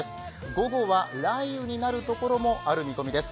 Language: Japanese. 午後は雷雨になるところもある見込みです。